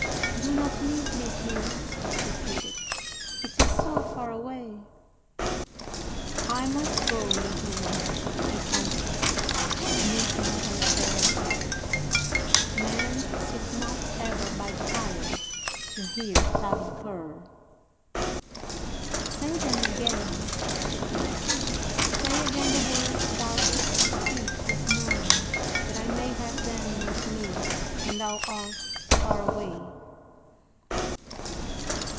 "Do not leave me, Hugh," she pleaded. "It is so far away." "I must go, little one," he answered, smoothing her fair hair. "Men sit not ever by the fire to hear tabby purr." "Say them again," she pleaded, "say again the words thou didst speak this morning, that I may have them with me when thou art far away."